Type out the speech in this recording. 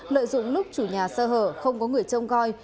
lợi dụng lúc chủ nhà sơ hở không có người trông coi